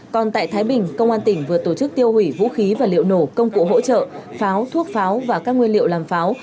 còn tại thái bình công an tỉnh vừa tổ chức tiêu hủy vũ khí và liệu nổ công cụ hỗ trợ pháo thuốc pháo và các nguyên liệu làm pháo